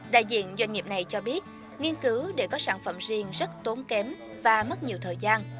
đại diện doanh nghiệp này cho biết nghiên cứu để có sản phẩm riêng rất tốn kém và mất nhiều thời gian